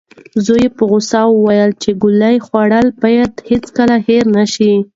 زوی یې په غوسه وویل چې ګولۍ خوړل باید هیڅکله هېر نشي.